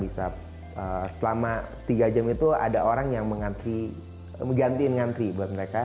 bisa selama tiga jam itu ada orang yang menggantiin ngantri buat mereka